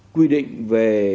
quy định về